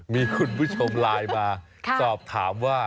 มีคุณผู้ชมไลน์มาสอบถามว่า